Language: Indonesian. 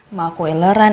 emang aku ileran